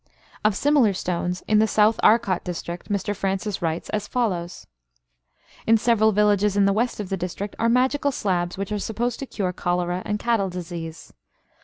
Of similar stones in the South Arcot district, Mr Francis writes as follows : "In several villages in the west of the district are magical slabs, which are supposed to cure cholera and cattle disease.